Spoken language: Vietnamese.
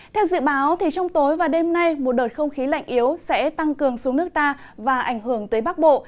theo dự báo trong tối và đêm nay một đợt không khí lạnh yếu sẽ tăng cường xuống nước ta và ảnh hưởng tới bắc bộ